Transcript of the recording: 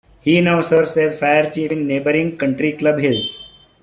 He now serves as fire chief in neighboring Country Club Hills.